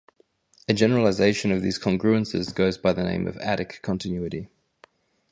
A generalization of these congruences goes by the name of -adic continuity.